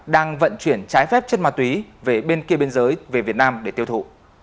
đang vận chuyển trái phép chất ma túy về bên kia biên giới về việt nam để tiêu thụ